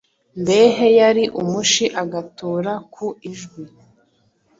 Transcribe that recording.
Mbehe yari umushi agatura ku Ijwi,